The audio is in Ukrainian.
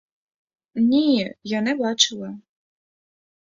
Ні, я не бачила.